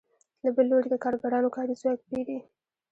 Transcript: له بل لوري د کارګرانو کاري ځواک پېري